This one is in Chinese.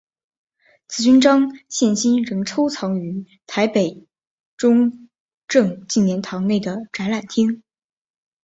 此勋章现今仍收藏于台北中正纪念堂内的展览厅。